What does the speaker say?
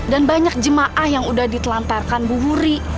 dan banyak jemaah yang sudah ditelantarkan bu wuri